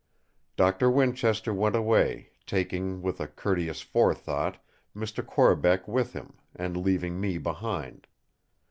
Doctor Winchester went away, taking, with a courteous forethought, Mr. Corbeck with him, and leaving me behind.